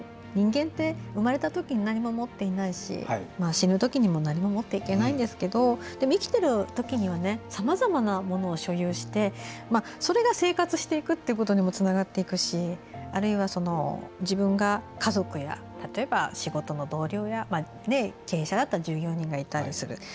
人間って生まれたときに何も持っていないし死ぬときにも何も持っていけないんですけどでも、生きているときにはさまざまなものを所有してそれが生活していくってことにもつながっていくしあるいは、自分が家族や、例えば仕事の同僚や経営者だったら従業員がいたりする。